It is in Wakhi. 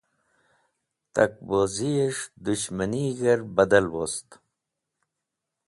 Takbozis̃h dushmanig̃hr badal wost.